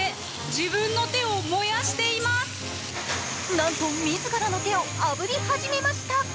なんと自らの手をあぶり始めました。